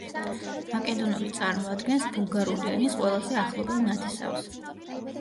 მაკედონური წარმოადგენს ბულგარული ენის ყველაზე ახლობელ ნათესავს.